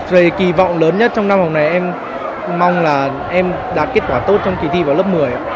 rồi kỳ vọng lớn nhất trong năm học này em mong là em đạt kết quả tốt trong kỳ thi vào lớp một mươi